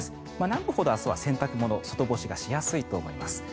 南部ほど明日は洗濯物外干しがしやすいと思います。